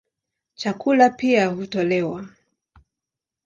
Chakula pia hutolewa.